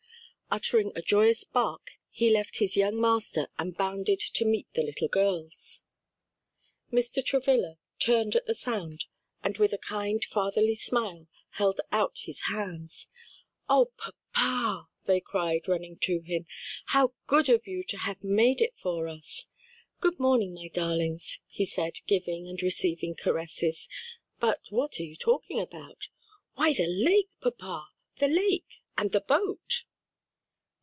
Uttering a joyous bark he left his young master and bounded to meet the little girls. Mr. Travilla turned at the sound and with a kind fatherly smile, held out his hands. "O papa," they cried running to him, "how good of you to have it made for us!" "Good morning, my darlings," he said, giving and receiving caresses, "but what are you talking about?" "Why the lake, papa; the lake and the boat."